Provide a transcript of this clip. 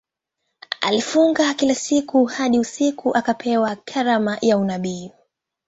Alifunga kila siku hadi usiku akapewa karama ya unabii.